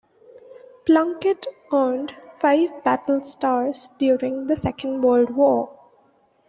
"Plunkett" earned five battle stars during the Second World War.